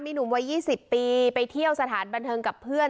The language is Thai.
หนุ่มวัย๒๐ปีไปเที่ยวสถานบันเทิงกับเพื่อน